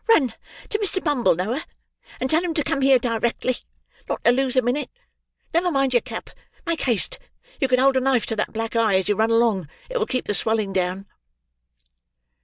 "Run to Mr. Bumble, Noah, and tell him to come here directly, and not to lose a minute; never mind your cap! Make haste! You can hold a knife to that black eye, as you run along. It'll keep the swelling down."